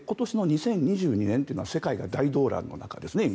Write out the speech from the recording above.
今年の２０２２年というのは世界の大動乱の中ですね。